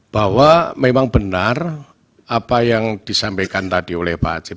bahwa memang benar apa yang disampaikan tadi oleh pak acep